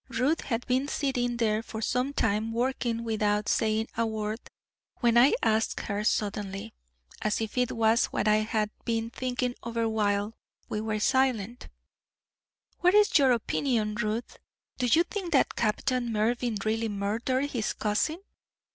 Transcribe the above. Ruth had been sitting there for some time working without saying a word, when I asked her suddenly, as if it was what I had been thinking over while we were silent: 'What is your opinion, Ruth? Do you think that Captain Mervyn really murdered his cousin?'